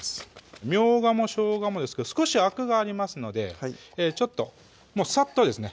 みょうがもしょうがもですけど少しアクがありますのでちょっとさっとですね